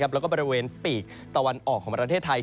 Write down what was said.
แล้วก็บริเวณปีกตะวันออกของประเทศไทย